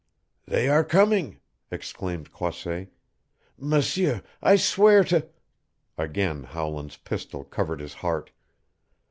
"They are coming!" exclaimed Croisset. "M'seur, I swear to " Again Howland's pistol covered his heart.